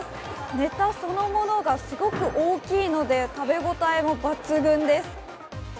ネタそのものがすごく大きいので食べ応えも抜群です。